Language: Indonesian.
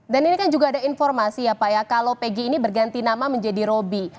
ini kan juga ada informasi ya pak ya kalau pegi ini berganti nama menjadi roby